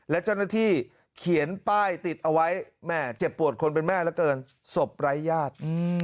และเจ้าหน้าที่เขียนป้ายติดเอาไว้แม่เจ็บปวดคนเป็นแม่เหลือเกินศพไร้ญาติ